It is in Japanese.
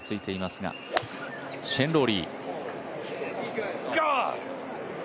シェーン・ローリー。